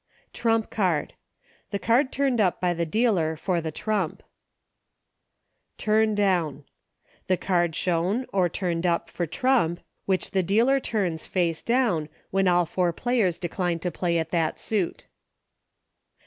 Trump Card. The card turned up by the dealer for the trump. Turn Down. The card shown, or turned up, for trump, which the dealer turns, face down, when all four players decline to play at that suit.